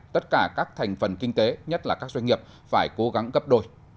tất cả các thành phần kinh tế nhất là các doanh nghiệp phải cố gắng gấp đôi